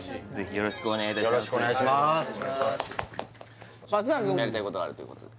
よろしくお願いします